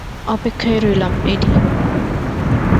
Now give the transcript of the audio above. অপেক্ষায় রইলাম, এডি।